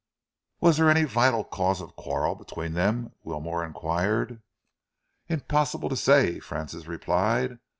"Was there any vital cause of quarrel between them?" Wilmore enquired. "Impossible to say," Francis replied.